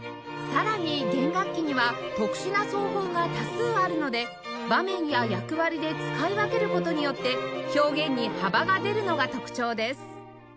さらに弦楽器には特殊な奏法が多数あるので場面や役割で使い分ける事によって表現に幅が出るのが特徴です